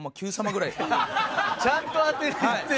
ちゃんと当てにいってる。